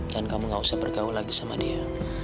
dan kamu gak usah bergaul lagi sama dia